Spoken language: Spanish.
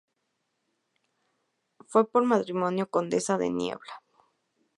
Fue por matrimonio condesa de Niebla.